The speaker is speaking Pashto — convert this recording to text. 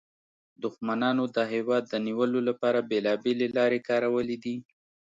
دښمنانو د هېواد د نیولو لپاره بیلابیلې لارې کارولې دي